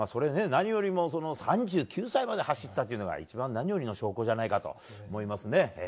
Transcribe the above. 何よりも３９歳まで走ったというのが一番何よりの証拠じゃないかと思いますね。